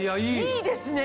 いいですね！